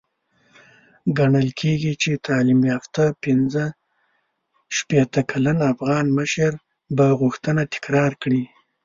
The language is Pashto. ګڼل کېږي چې تعليم يافته پنځه شپېته کلن افغان مشر به غوښتنه تکرار کړي.